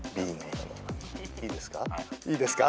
いいですか？